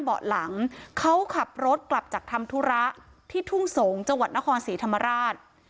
เบาะหลังเขาขับรถกลับจากทำธุระที่ทุ่งสงศ์จังหวัดนครศรีธรรมราช